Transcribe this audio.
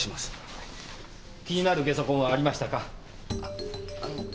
気になる下足痕はありましたか？